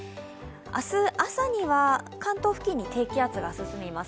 明日朝には関東付近に低気圧が進みます。